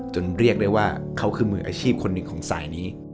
เรียกได้ว่าเขาคือมืออาชีพคนหนึ่งของสายนี้